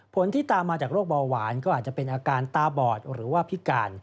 ที่ตามมาจากโรคเบาหวานก็อาจจะเป็นอาการตาบอดหรือว่าพิการ